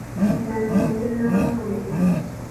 Embalirira tennaba kukolebwa.